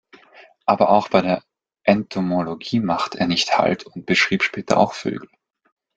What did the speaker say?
Aber auch bei der Entomologie machte er nicht halt und beschrieb später auch Vögel.